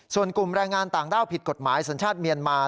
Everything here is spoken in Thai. ส่วนกลุ่มแรงงานต่างด้าวผิดกฎหมายสัญชาติเมียนมา